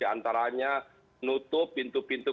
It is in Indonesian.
antaranya nutup pintu pintu